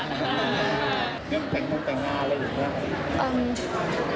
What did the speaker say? เรื่องแต่งงานแล้วอีกแล้ว